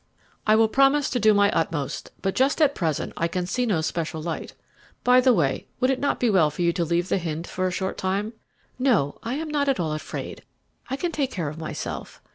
"I will promise to do my utmost, but just at present I can see no special light. By the way, would it not be well for you to leave The Hynde for a short time?" "No, I am not at all afraid; I can take care of myself.